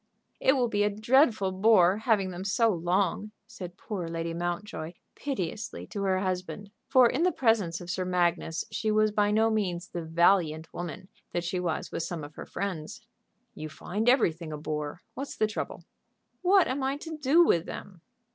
"It will be a dreadful bore having them so long," said poor Lady Mountjoy, piteously, to her husband. For in the presence of Sir Magnus she was by no means the valiant woman that she was with some of her friends. "You find everything a bore. What's the trouble?" "What am I to do with them?"